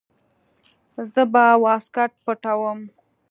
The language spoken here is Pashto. زه به واسکټ پټاووم.